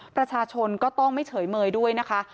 ประชาชนก็ต้องไม่เฉยเมยด้วยนะคะ